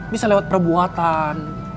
bisa lewat perbuatan